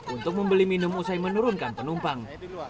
untuk membeli minum usai menurunkan penumpang